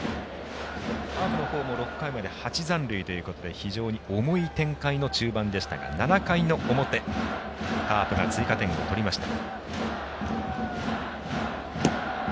カープの方も６回まで８残塁ということで非常に重い展開の中盤でしたが７回の表カープが追加点を取りました。